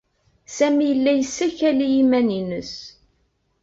Sami yella yessakal i yiman-nnes.